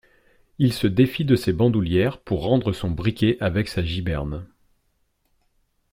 Il se défit de ses bandoulières pour rendre son briquet avec sa giberne.